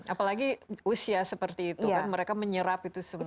apalagi usia seperti itu mereka menyerap itu semuanya